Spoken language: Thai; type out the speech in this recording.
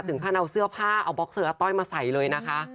ถึงขั้นเอาเสื้อผ้าเอาบ็อกเซอร์อาต้อยมาใส่เลยนะคะ